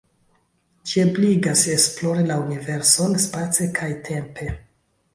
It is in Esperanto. Ĝi ebligas esplori la universon, space kaj tempe.